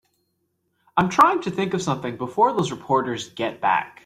I'm trying to think of something before those reporters get back.